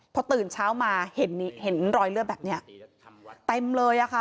พอตื่นเช้ามาเห็นนี่เห็นรอยเลือดแบบเนี้ยแปมเลยอ่ะค่ะ